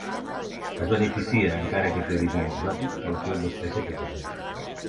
Es beneficia, encara que té origen exòtic, de l'estatut d'espècie protegida.